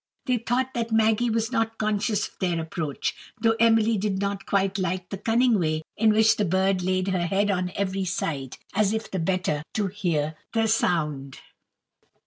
They thought that Maggy was not conscious of their approach; though Emily did not quite like the cunning way in which the bird laid her head on every side, as if the better to hear the sound.